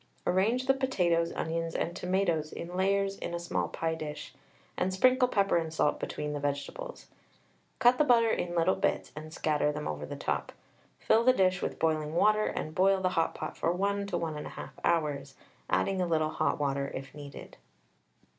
Arrange the potatoes, onions, and tomatoes in layers in a small pie dish, and sprinkle pepper and salt between the vegetables. Cut the butter in little bits, and scatter them over the top. Fill the dish with boiling water, and boil the hot pot for 1 to 1 1/2 hours, adding a little hot water if needed.